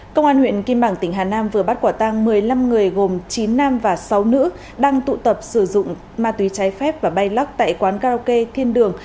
công an huyện kim bảng tỉnh hà nam vừa bắt quả tang một mươi năm người gồm chín nam và sáu nữ đang tụ tập sử dụng ma túy trái phép và bay lắc tại quán karaoke thiên đường